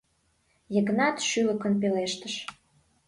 — Йыгнат шӱлыкын пелештыш.